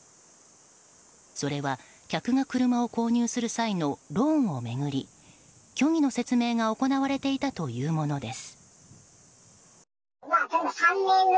それは、客が車を購入する際のローンを巡り虚偽の説明が行われていたというものです。